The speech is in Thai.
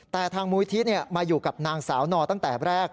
แต่ทางมูลิธิมาอยู่กับนางสาวนอตั้งแต่แรก